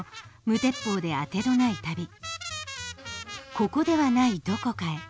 「ここではないどこかへ」。